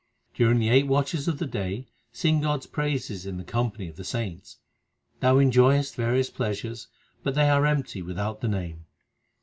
During the eight watches of the day sing God s praises in the company of the saints. Thou enjoyest various pleasures, but they are empty without the Name.